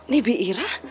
nih bibi irah